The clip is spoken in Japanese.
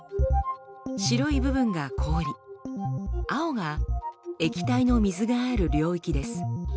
白い部分が氷青が液体の水がある領域です。